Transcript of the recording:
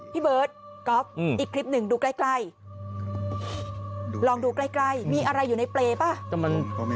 พี่เบิร์ตก๊อฟอีกคลิปหนึ่งดูใกล้ใกล้ลองดูใกล้ใกล้มีอะไรอยู่ในเปรย์ป่ะ